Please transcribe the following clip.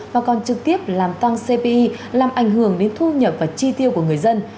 mà còn trực tiếp làm tăng cpi làm ảnh hưởng đến thu nhập và chi tiêu của người dân